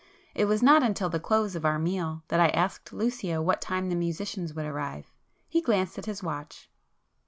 It was not until the close of our meal that I asked Lucio what time the musicians would arrive. He glanced at his watch.